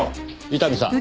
伊丹さん。